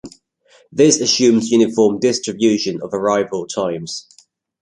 This assumes uniform distribution of arrival times.